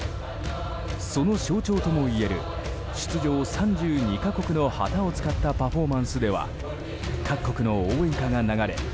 その象徴ともいえる出場３２か国の旗を使ったパフォーマンスでは各国の応援歌が流れ